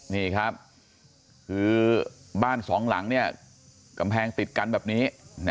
นี่ครับคือบ้านสองหลังกำแพงติดกันแบบนี้